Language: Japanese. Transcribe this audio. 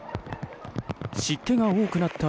湿気が多くなった